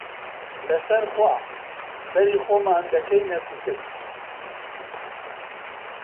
لەسەر خوا، سەری خۆمان دەکەینە کوتک